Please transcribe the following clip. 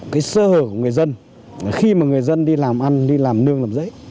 cái sơ hở của người dân khi mà người dân đi làm ăn đi làm nương làm giấy